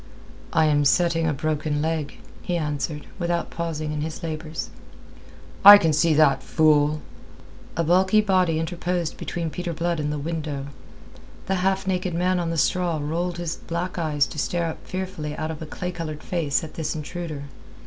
"I am setting a broken leg," he answered, without pausing in his labours. "I can see that, fool." A bulky body interposed between Peter Blood and the window. The half naked man on the straw rolled his black eyes to stare up fearfully out of a clay coloured face at this intruder.